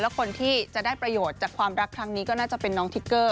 แล้วคนที่จะได้ประโยชน์จากความรักครั้งนี้ก็น่าจะเป็นน้องทิกเกอร์